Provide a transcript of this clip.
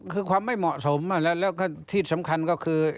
คือความไม่เหมาะสมแล้วก็ที่สำคัญก็คือ